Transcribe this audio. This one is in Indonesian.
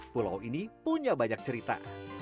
pulau ini punya banyak cerita